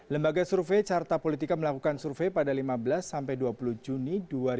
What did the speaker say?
lembaga survei carta politika melakukan survei pada lima belas sampai dua puluh juni dua ribu dua puluh